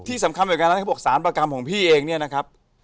ที่สำคัญเหมือนกันนะเขาบอกสารประกรรมของพี่เองเนี่ยนะครับ